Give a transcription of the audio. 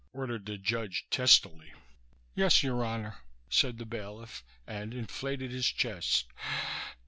ordered the judge testily. "Yes, Your Honor," said the bailiff, and inflated his chest.